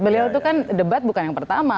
beliau itu kan debat bukan yang pertama